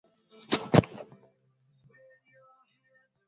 Ripoti hiyo haikutoa sababu ya Iran kusitisha kwa muda mazungumzo